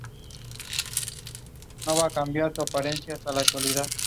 Estos planes contienen los objetivos de calidad prioritarios para el período correspondiente.